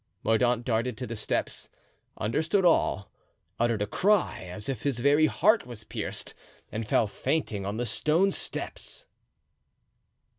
Mordaunt darted to the steps, understood all, uttered a cry, as if his very heart was pierced, and fell fainting on the stone steps.